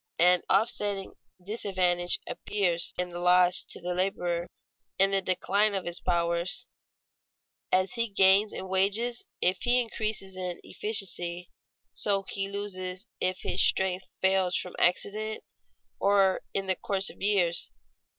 An offsetting disadvantage appears in the loss to the laborer in the decline of his powers. As he gains in wages if he increases in efficiency, so he loses if his strength fails from accident or in the course of years.